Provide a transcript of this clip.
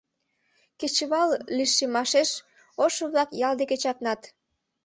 Кечывал лишеммашеш ошо-влак ял деке чакланат.